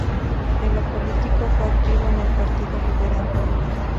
En lo político, fue activo en el Partido Liberal.